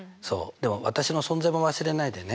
でも私の存在も忘れないでね。